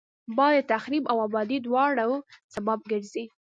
باد د تخریب او آبادي دواړو سبب ګرځي